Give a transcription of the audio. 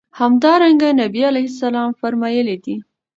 همدرانګه نبي عليه السلام فرمايلي دي